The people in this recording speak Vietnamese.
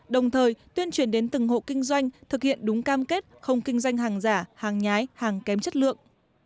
đồng thời tuyên truyền đến từng hộ kinh doanh thực hiện đúng cam kết không kinh doanh hàng giả hàng nhái hàng kém chất lượng